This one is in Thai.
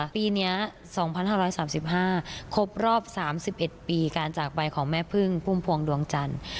ปีนี้๒๕๓๕ครบรอบ๓๑ปีการจากไปของแม่พึ่งพุ่มพวงดวงจันทร์